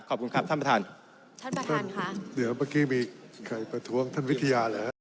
ขอบคุณครับท่านประธาน